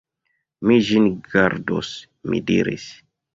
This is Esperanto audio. Mi ĝin gardos, mi diris.